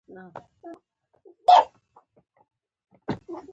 حکومتونه هغو ګټو ته لومړیتوب ورکوي.